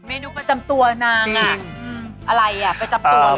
เมนูประจำตัวนางอ่ะอะไรอ่ะประจำตัวเลย